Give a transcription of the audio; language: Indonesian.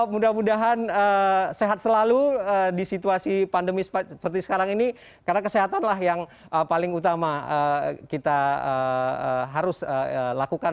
mudah mudahan sehat selalu di situasi pandemi seperti sekarang ini karena kesehatanlah yang paling utama kita harus lakukan